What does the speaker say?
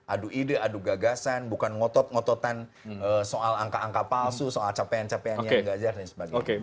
adu ide adu gagasan bukan ngotot ngototan soal angka angka palsu soal capaian capaian yang gajar dan sebagainya